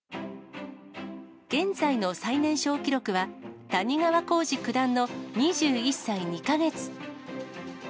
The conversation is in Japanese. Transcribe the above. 現在の最年少記録は、谷川浩司九段の２１歳２か月。